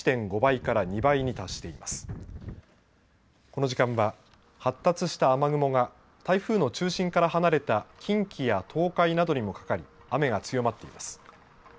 この時間は発達した雨雲が台風の中心から離れた近畿や東海などにもかかり雨が強まっています。